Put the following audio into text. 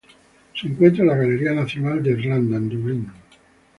Se encuentra en la Galería Nacional de Irlanda, en Dublín.